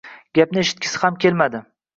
Gapimni eshitgisi ham kelmadi.